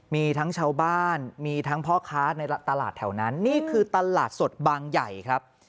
มีทั้งชาวบ้านมีทั้งพ่อค้าในตลาดแถวนั้นนี่คือตลาดสดบางใหญ่ครับ